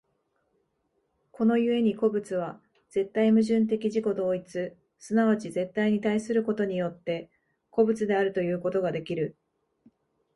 この故に個物は絶対矛盾的自己同一、即ち絶対に対することによって、個物であるということができる。